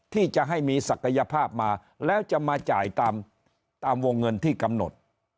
ที่จะให้มีศักยภาพมาแล้วจะมาจ่ายตามวงเงินที่กำหนด